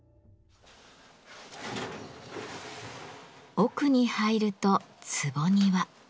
奥に入ると「坪庭」。